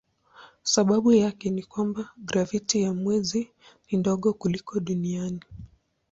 Sababu yake ni ya kwamba graviti ya mwezi ni ndogo kuliko duniani.